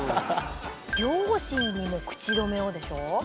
「両親にも口止めを」でしょ？